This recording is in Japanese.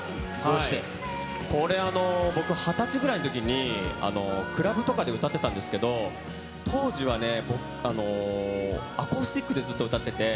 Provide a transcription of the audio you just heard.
これ、僕、２０歳ぐらいのときに、クラブとかで歌ってたんですけど、当時はね、アコースティックでずっと歌ってて。